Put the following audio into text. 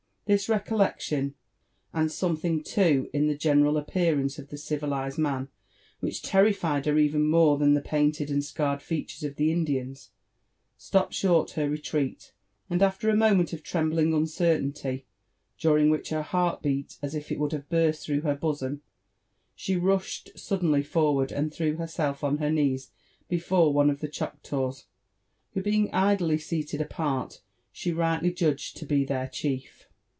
This recollection, and something too in the general appearance of the civi lized man which terrified her even more than the painted and scarred features of the Indians, stopped short her retreat, and after a moment of trembling uncertainty, during which her heart beat as if it would have burst through her bosom, she rushed suddenly forward and threw ttS UFB AND ADVENTCJBES OF benelf on ber kneeg before one of the ChocUws, who being idly sealed apart, she rightly judged to be their chief.